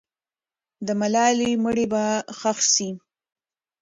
د ملالۍ مړی به ښخ سي.